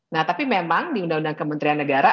nah tapi memang di undang undang kementerian negara